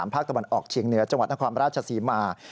ภาคตะวันออกเชียงเหนือจังหวัดนครราชศรีมา